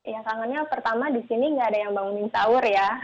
ya kangennya pertama di sini nggak ada yang bangunin sahur ya